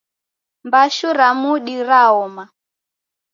Mbashu ra mudi raoma